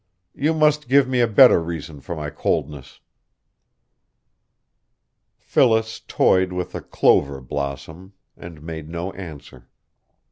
You must give me a better reason for my coldness." Phyllis toyed with a clover blossom, and made no answer.